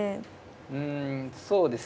うんそうですね。